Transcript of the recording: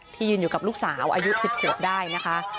ยืนอยู่กับลูกสาวอายุ๑๐ขวบได้นะคะ